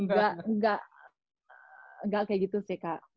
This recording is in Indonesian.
enggak enggak kayak gitu sih kak